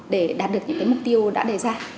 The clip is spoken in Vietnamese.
để đạt được những mục tiêu đã đề ra